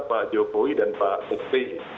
pak jokowi dan pak sp